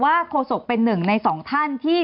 โฆษกเป็นหนึ่งในสองท่านที่